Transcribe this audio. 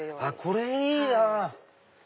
これいいな。